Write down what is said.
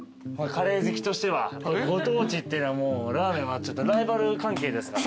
カレー好きとしてはご当地っていうのはラーメンはライバル関係ですから。